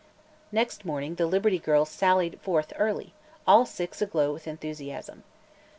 Next morning the Liberty Girls sallied forth early, all six aglow with enthusiasm.